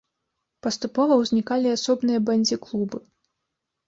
Паступова ўзнікалі і асобныя бэндзі-клубы.